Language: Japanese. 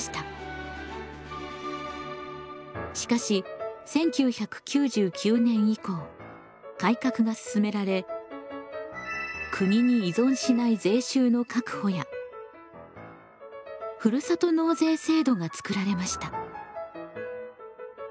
しかし１９９９年以降改革が進められ国に依存しない税収の確保やふるさと納税制度が作られました。